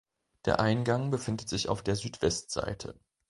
Der Eingang befindet sich auf der Südwestseite.